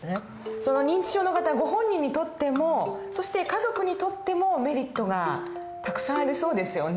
その認知症の方ご本人にとってもそして家族にとってもメリットがたくさんありそうですよね。